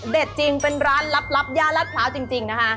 จริงเป็นร้านลับย่านรัฐพร้าวจริงนะคะ